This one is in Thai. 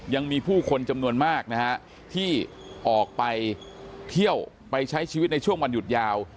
ยังมีผู้คนจำนวนมากนะฮะที่ออกไปเที่ยวไปใช้ชีวิตในช่วงวันหยุดยาว